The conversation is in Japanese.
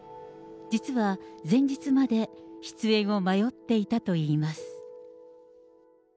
実は前日まで出演を迷っていたといいます。